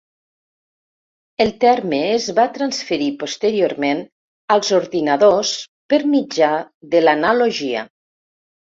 El terme es va transferir posteriorment als ordinadors per mitjà de l"analogia.